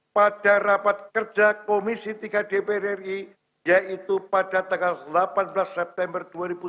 pada rapat kerja komisi tiga dpr ri yaitu pada tanggal delapan belas september dua ribu sembilan belas